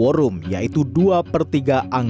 jokowi juga mencari jalan untuk mengembangkan kembang